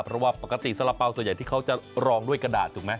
เพราะว่าปกติสาระเป๋าส่วนใหญ่ที่เขาจะรองด้วยกระดาษถูกไหม